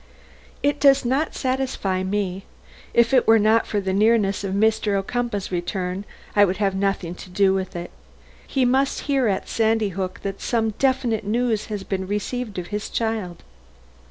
"It does not satisfy me. If it were not for the nearness of Mr. Ocumpaugh's return, I would have nothing to do with it. He must hear at Sandy Hook that some definite news has been received of his child."